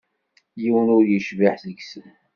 Yiwen ur yecbiḥ seg-sen.